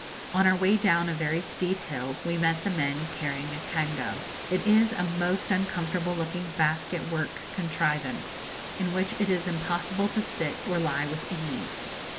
On our way down a very steep hill we met the men carrying a cango. It is a most uncomfortable looking basket work contrivance, in which it is impossible to sit or lie with ease.